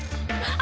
あ。